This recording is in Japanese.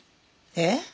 えっ？